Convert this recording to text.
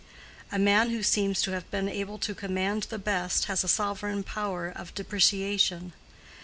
A man who seems to have been able to command the best, has a sovereign power of depreciation.